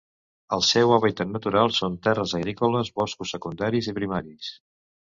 El seu hàbitat natural són terres agrícoles, boscos secundaris i primaris.